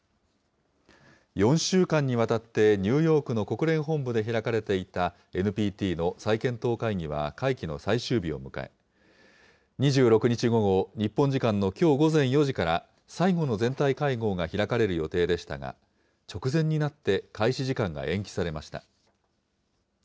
４週間にわたって、ニューヨークの国連本部で開かれていた、ＮＰＴの再検討会議は会期の最終日を迎え、２６日午後、日本時間のきょう午前４時から、最後の全体会合が開かれる予定でしたが、直前になって開始時間が延期されました。